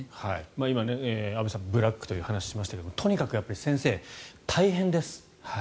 今、安部さんブラックという話をしましたがとにかく先生、大変です。